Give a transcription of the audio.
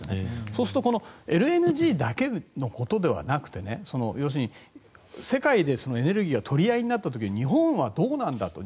そうするとＬＮＧだけのことではなくて要するに世界でエネルギーが取り合いになった時日本はどうなんだと。